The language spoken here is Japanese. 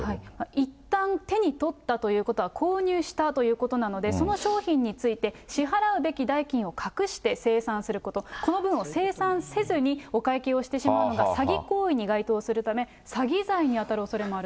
いったん手に取ったということは、購入したということなので、その商品について、支払うべき代金を隠して精算すること、この分を精算せずにお会計をしてしまうのが詐欺行為に該当するため、詐欺罪に当たるおそれもあると。